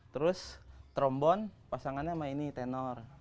terus trombon pasangannya mainin tenor